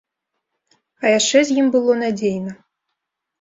А яшчэ з ім было надзейна.